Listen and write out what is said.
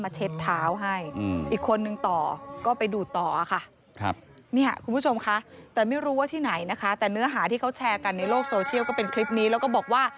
แชร์กันในโลกโซเชียลก็เป็นคลิปนี้แล้วก็บอกว่า